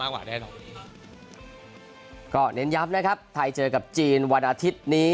ก็เน้นย้ำนะครับไทยเจอกับจีนวันอาทิตย์นี้